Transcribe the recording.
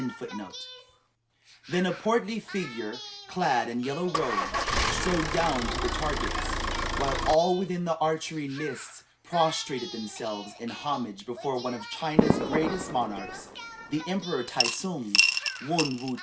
(1) Then a portly figure, clad in yellow robes, strode down to the targets, while all within the archery lists prostrated themselves in homage before one of China's greatest monarchs the Emperor Tai tsung, Wun woo ti.